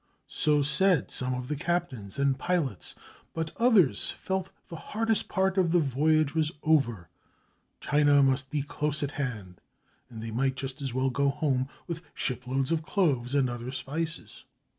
So said some of the captains and pilots; but others felt the hardest part of the voyage was over, China must be close at hand, and they might just as well go home with shiploads of cloves and other spices.